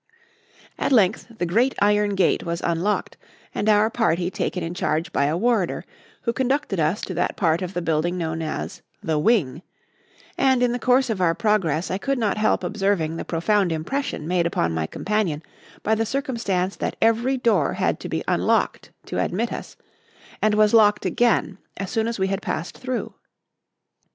At length the great iron gate was unlocked and our party taken in charge by a warder, who conducted us to that part of the building known as "the wing"; and, in the course of our progress, I could not help observing the profound impression made upon my companion by the circumstance that every door had to be unlocked to admit us and was locked again as soon as we had passed through.